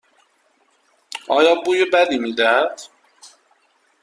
آن بوی بدی میدهد.